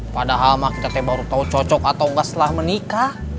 padahal mah kita teh baru tau cocok atau enggak setelah menikah